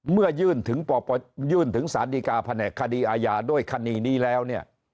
เมื่อยื่นถึงยื่นถึงสารดีกาแผนกคดีอาญาด้วยคดีนี้แล้วเนี่ย